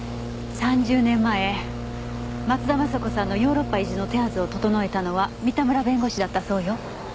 ３０年前松田雅子さんのヨーロッパ移住の手はずを整えたのは三田村弁護士だったそうよ。